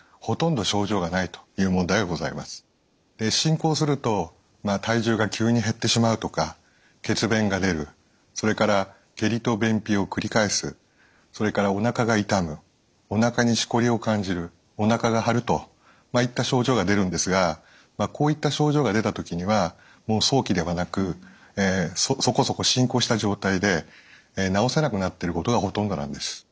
実は進行すると体重が急に減ってしまうとか血便が出るそれから下痢と便秘を繰り返すそれからおなかが痛むおなかにしこりを感じるおなかが張るといった症状が出るんですがこういった症状が出た時にはもう早期ではなくそこそこ進行した状態で治せなくなっていることがほとんどなんです。